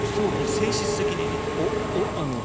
泉質的にね。